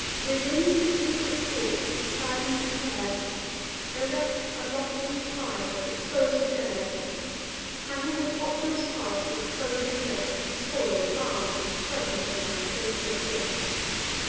Within the secret court, with silent care, Erect a lofty pile, expos'd in air: Hang on the topmost part the Trojan vest, Spoils, arms, and presents, of my faithless guest.